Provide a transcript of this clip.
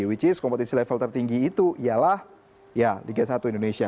which is kompetisi level tertinggi itu ialah ya liga satu indonesia